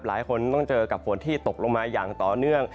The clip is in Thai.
หลายคนต้องเจอกับฝนที่ตกลงมาอย่างต่อเนื่อง